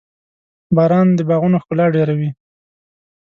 • باران د باغونو ښکلا ډېروي.